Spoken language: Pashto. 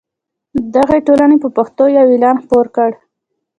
دغې ټولنې په پښتو یو اعلان خپور کړ.